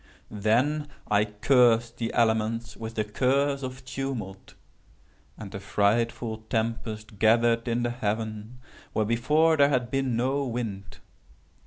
"Then I cursed the elements with the curse of tumult; and a frightful tempest gathered in the heaven where, before, there had been no wind.